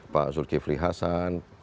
pak zulkifli hasan